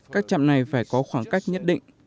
các chạm này phải có khoảng cách nhất định